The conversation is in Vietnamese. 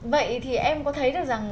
vậy thì em có thấy được rằng